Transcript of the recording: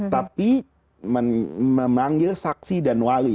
tapi memanggil saksi dan wali